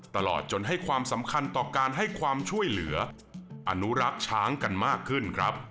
ตลอดจนให้ความสำคัญต่อการให้ความช่วยเหลืออนุรักษ์ช้างกันมากขึ้นครับ